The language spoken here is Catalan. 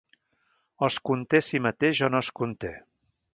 O es conté a si mateix o no es conté.